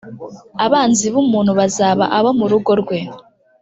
abanzi bumuntu bazaba abo mu rugo rwe